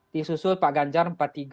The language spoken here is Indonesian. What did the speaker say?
disusul pak ganjar empat puluh tiga sembilan